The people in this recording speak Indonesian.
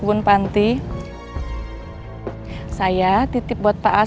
warung orang juga mau ditemukan kerang